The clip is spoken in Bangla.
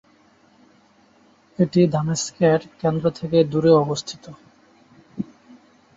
এটি দামেস্কের কেন্দ্র থেকে দূরে অবস্থিত।